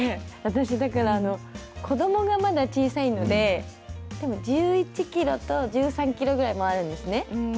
私だから、子どもがまだ小さいので、でも、１１キロと１３キロぐらいあるんですね。